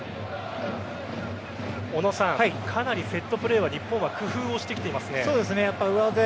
小野さん、かなりセットプレーは日本は工夫をしてきていますね。